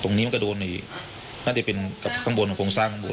บางนี้ก็โดนอีกน่าจะเป็นข้างบนเท่านั้นคงสร้างทางบน